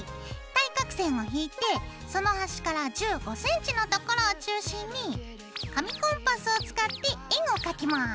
対角線を引いてその端から１５ｃｍのところを中心に紙コンパスを使って円を描きます。